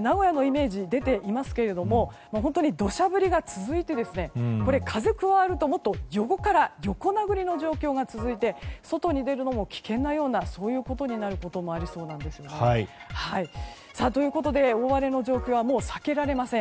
名古屋のイメージが出ていますが本当に土砂降りが続いて風が加わるともっと横から横殴りの状況が続いて外に出るのも危険なことになりそうです。ということで、大荒れの状況はもう避けられません。